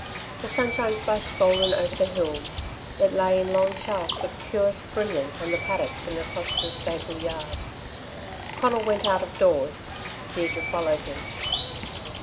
The sunshine splashed golden over the hills; it lay in long shafts of purest brilliance on the paddocks and across the stable yard. Conal went out of doors; Deirdre followed him.